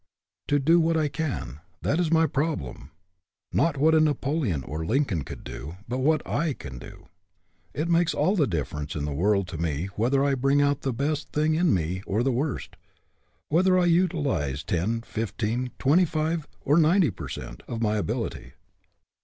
To do what / can, that is my problem; not what a Napoleon or a Lincoln could do, but what 7 can do. It makes all the difference in the world to me whether I bring out the best thing in me or the worst, whether I utilize ten, fifteen, twenty five, or ninety per cent, of my ability.